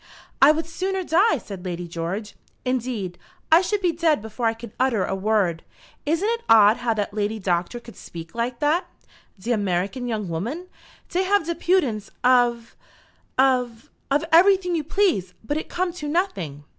"I would sooner die," said Lady George. "Indeed, I should be dead before I could utter a word. Isn't it odd how that lady Doctor could speak like that." "De American young woman! Dey have de impudence of of of everything you please; but it come to noting."